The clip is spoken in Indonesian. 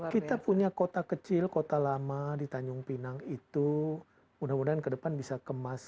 kita punya kota kecil kota lama di tanjung pinang itu mudah mudahan ke depan bisa kemas